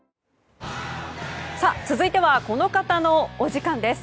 続いてはこの方のお時間です。